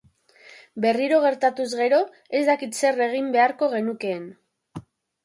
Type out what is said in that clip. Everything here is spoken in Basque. Berriro gertatuz gero, ez dakit zer egin beharko genukeen.